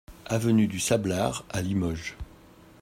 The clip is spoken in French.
Avenue du Sablard à Limoges